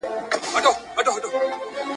نه یې توره نه یې سپر وي جنګیالی پکښی پیدا کړي ..